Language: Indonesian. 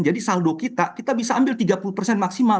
jadi saldo kita kita bisa ambil tiga puluh maksimal